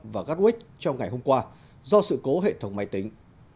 và gatwick trong ngày hôm qua do sự cố hệ thống máy tính